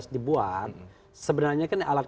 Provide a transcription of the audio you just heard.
dibuat sebenarnya kan alat